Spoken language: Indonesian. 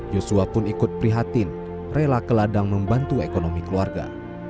yosua pun ikut prihatin rela ke ladang membantu ekonomi keluarga